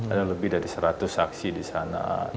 ada lebih dari seratus saksi disana